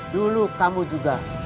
dulu kamu juga